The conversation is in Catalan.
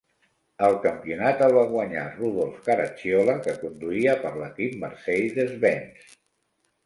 El campionat el va guanyar Rudolf Caracciola, que conduïa per l'equip Mercedes-Benz.